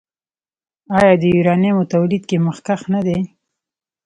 آیا د یورانیم تولید کې مخکښ نه دی؟